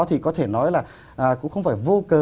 thì có thể nói là cũng không phải vô cớ